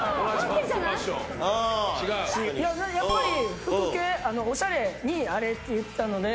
ピンポンやっぱり服系おしゃれにあれって言ってたので。